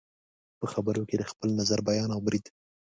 په خبرو کې د خپل نظر بیان او برید